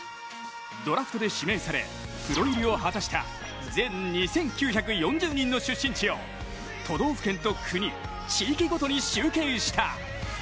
ドラフトで指名されプロ入りを果たした全２９４０人の出身地を都道府県と国地域ごとに集計した。